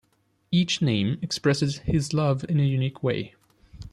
Each Name expresses His love in a unique way.